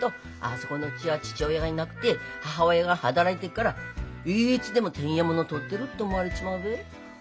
あそこのうちは父親がいなくて母親が働いてっからいつでも店屋物とってるって思われちまうべ。